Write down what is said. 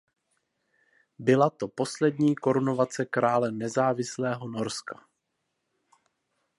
Byla to poslední korunovace krále nezávislého Norska.